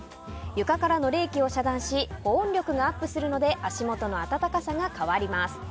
床からの冷気を遮断し保温力がアップするので足元の温かさが変わります。